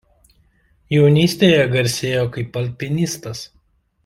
Jaunystėje garsėjo kaip alpinistas.